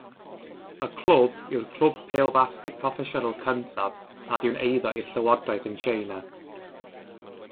Y clwb yw'r clwb pêl-fasged proffesiynol cyntaf nad yw'n eiddo i'r llywodraeth yn Tsieina.